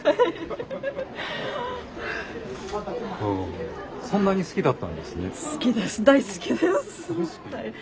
そんなに好きだったんですね。